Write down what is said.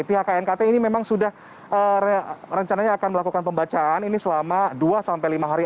pihak knkt ini memang sudah rencananya akan melakukan pembacaan ini selama dua sampai lima hari